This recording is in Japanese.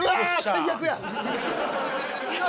最悪や。